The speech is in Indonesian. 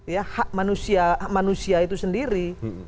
ya hak manusia itu sendiri